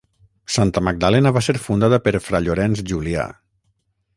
Santa Magdalena va ser fundada per Fra Llorenç Julià.